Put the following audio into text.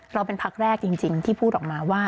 เราเป็นพักแรกจริงที่พูดออกมาว่า